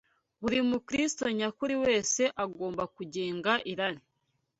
Buri Mukristo nyakuri wese agomba kugenga irari